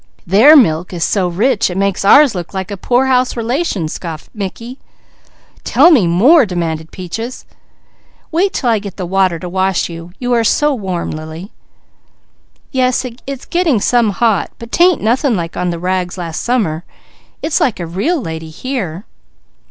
"Their milk is so rich it makes ours look like a poorhouse relation," scoffed Mickey. "Tell me more," demanded Peaches. "Wait 'til I get the water to wash you, you are so warm." "Yes, it's getting some hot; but 'tain't nothing like on the rags last summer. It's like a real lady here."